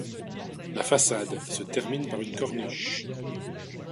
La façade se termine par une corniche.